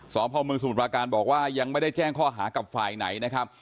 สอบพ่อเมืองสมุทราการบอกว่ายังไม่ได้แจ้งข้อหากับฝ่ายไหนนะครับ